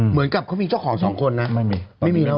เหมือนกับเขามีเจ้าของสองคนน่ะไม่มี